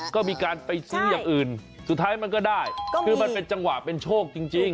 ก็มีการไปซื้ออย่างอื่นสุดท้ายมันก็ได้คือมันเป็นจังหวะเป็นโชคจริง